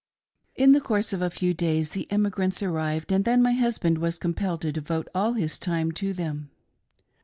In the course of a few days the emigrants arrived, and then my husband was compelled to devote ^11 his time to them.